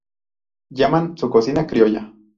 Llaman su cocina criolla.